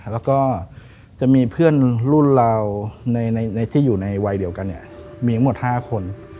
แล้วก็จะมีเพื่อนรุ่นเราที่อยู่ในวัยเดียวกันมีทั้งหมด๕คน